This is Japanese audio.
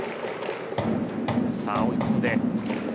さあ追い込んで。